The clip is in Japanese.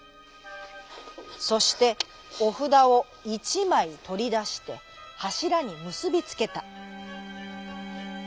そしておふだをいちまいとりだしてはしらにむすびつけた。